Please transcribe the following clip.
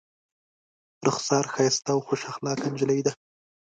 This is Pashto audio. رخسار ښایسته او خوش اخلاقه نجلۍ ده.